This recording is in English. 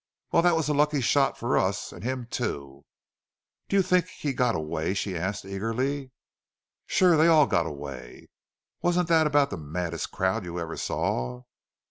"Well, that was a lucky shot for us and him, too." "Do you think he got away?" she asked, eagerly. "Sure. They all got away. Wasn't that about the maddest crowd you ever saw?"